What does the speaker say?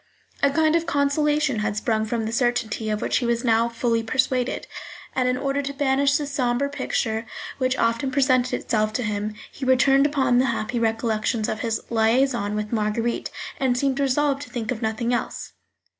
A kind of consolation had sprung from the certainty of which he was now fully persuaded, and in order to banish the sombre picture which often presented itself to him, he returned upon the happy recollections of his liaison with Marguerite, and seemed resolved to think of nothing else.